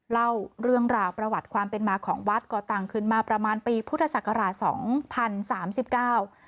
เล่าเรื่องราวประวัติความเป็นมาของวัดก่อตั้งขึ้นมาประมาณปีพุทธศักราชสองพันสามสิบเก้า